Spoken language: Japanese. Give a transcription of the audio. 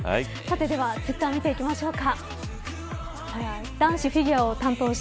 ではツイッター見ていきましょうか。